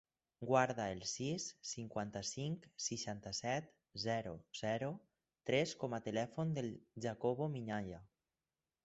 Guarda el sis, cinquanta-cinc, seixanta-set, zero, zero, tres com a telèfon del Jacobo Minaya.